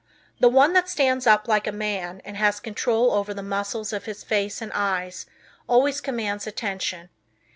The one that stands up like a man and has control over the muscles of his face and eyes always commands attention.